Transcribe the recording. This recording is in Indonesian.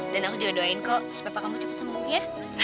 dan aku juga doain kok supaya papa kamu cepet sembuh ya